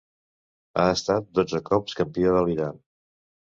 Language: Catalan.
Ha estat dotze cops Campió de l'Iran.